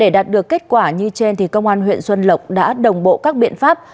được kết quả như trên thì công an huyện xuân lộc đã đồng bộ các biện pháp